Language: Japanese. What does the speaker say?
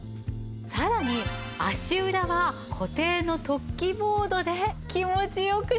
さらに足裏は固定の突起ボードで気持ち良く刺激してくれます。